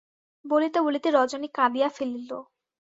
বলিতে বলিতে রজনী কাঁদিয়া ফেলিল।